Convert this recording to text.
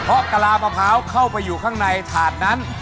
เพราะกะลามะพร้าวเข้าไปอยู่ข้างในถาดนั้น